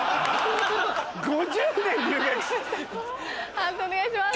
判定お願いします。